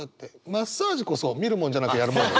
マッサージこそ見るものじゃなくやるもんだ。